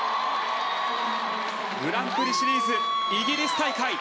グランプリシリーズイギリス大会